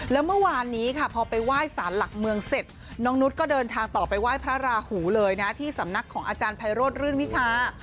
แล้วเมื่อวานนี้ค่ะพอไปไหว้สารหลักเมืองเสร็จน้องนุษย์ก็เดินทางต่อไปไหว้พระราหูเลยนะที่สำนักของอาจารย์ไพโรธรื่นวิชา